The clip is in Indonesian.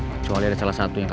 kecuali ada salah satu yang